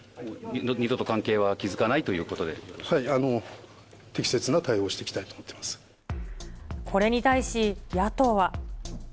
二度と関係は築かないという適切な対応をしていきたいとこれに対し野党は。